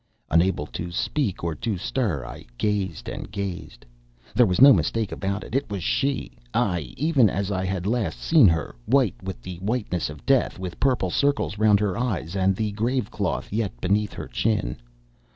Unable to speak or to stir, I gazed and gazed. There was no mistake about it, it was she, ay, even as I had last seen her, white with the whiteness of death, with purple circles round her eyes and the grave cloth yet beneath her chin.